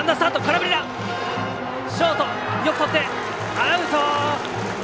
アウト！